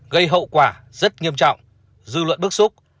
gây hậu quả rất nghiêm trọng dư luận bức xúc